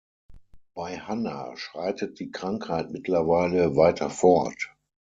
Bei Hanna schreitet die Krankheit mittlerweile weiter fort.